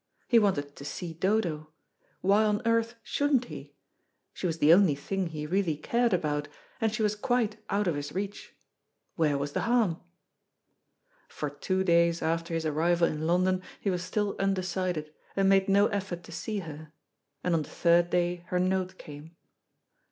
He wanted to see Dodo; why on earth shouldn't he? She was the only thing he really cared about, and she was quite out of his reach. Where was the harm? For two days after his arrival in London he was still undecided, and made no effort to see her, and on the third day her note came.